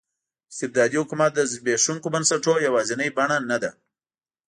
استبدادي حکومت د زبېښونکو بنسټونو یوازینۍ بڼه نه ده.